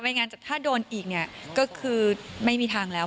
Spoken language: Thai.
ไม่งั้นถ้าโดนอีกก็คือไม่มีทางแล้ว